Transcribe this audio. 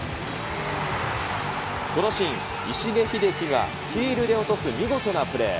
このシーン、石毛秀樹がヒールで落とす見事なプレー。